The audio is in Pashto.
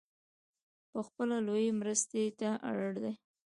پخپله لویې مرستې ته اړ دی .